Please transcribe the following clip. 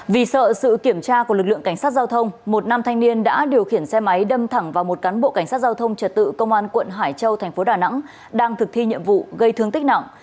vì sợ sự kiểm tra của lực lượng cảnh sát giao thông một nam thanh niên đã điều khiển xe máy đâm thẳng vào một cán bộ cảnh sát giao thông trật tự công an quận hải châu thành phố đà nẵng đang thực thi nhiệm vụ gây thương tích nặng